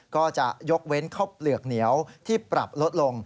ก็จะยกเว้นข้าวเปลือกเหนียวที่ปรับลดลง